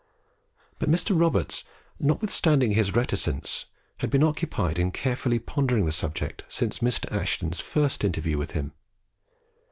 But Mr. Roberts, notwithstanding his reticence, had been occupied in carefully pondering the subject since Mr. Ashton's first interview with him.